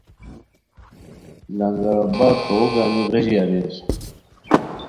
لنگرآباد تو گانی غیژی اریر